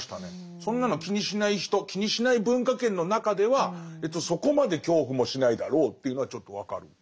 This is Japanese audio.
そんなの気にしない人気にしない文化圏の中ではそこまで恐怖もしないだろうというのはちょっと分かる。